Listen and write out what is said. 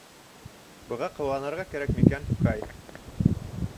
Быға ҡыуанырға кәрәк микән, Кай?